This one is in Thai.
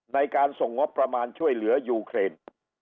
ในการส่งงบประมาณช่วยเหลือยูเครน